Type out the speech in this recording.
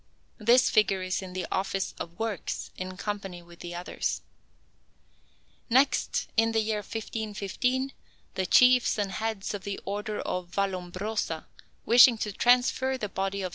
This figure is in the Office of Works, in company with the others. Next, in the year 1515, the chiefs and heads of the Order of Vallombrosa, wishing to transfer the body of S.